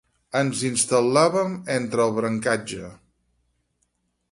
Ens instal·làvem entre el brancatge.